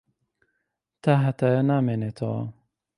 تاھەتایە نامێنێتەوە.